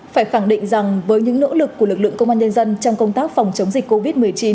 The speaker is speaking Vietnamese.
phải khẳng định rằng với những nỗ lực của lực lượng công an nhân dân trong công tác phòng chống dịch covid một mươi chín